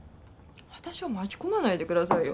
私を巻き込まないでくださいよ。